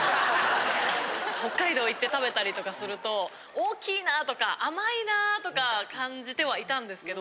北海道行って食べたりとかすると大きいなとか甘いなとか感じてはいたんですけど。